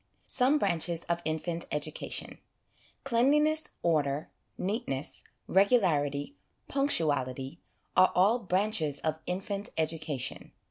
Some Branches of Infant Education. Clean liness, order, neatness, regularity, punctuality, are all 1 branches ' of infant education.